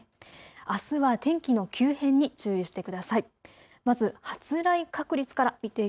あすは天気の急変に注意してください。